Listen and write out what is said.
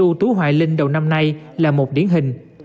ưu tú hoài linh đầu năm nay là một điển hình